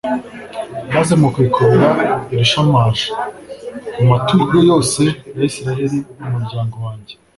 maze mukikubira irishamaje mu maturo yose ya israheli umuryango wanjye